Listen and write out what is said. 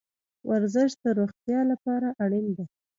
ورزش د روغتیا لپاره اړین ده